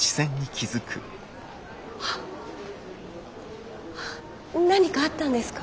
あ何かあったんですか？